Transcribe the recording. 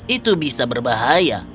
itu bisa berbahaya